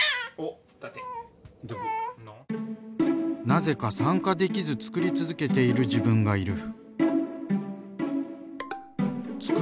「なぜか参加できずつくり続けている自分がいる」。